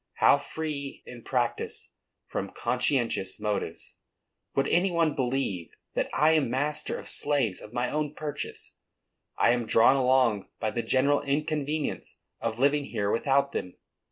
How free in practice from conscientious motives! Would any one believe that I am master of slaves of my own purchase? I am drawn along by the general inconvenience of living here without them.